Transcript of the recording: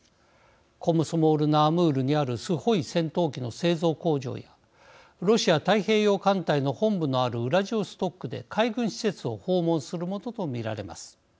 コムソモール・ナ・アムールにあるスホイ戦闘機の製造工場やロシア太平洋艦隊の本部のあるウラジオストクで海軍施設を訪問するものと見られます。